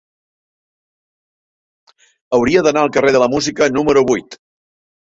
Hauria d'anar al carrer de la Música número vuit.